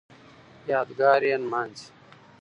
یادګار یې نمانځي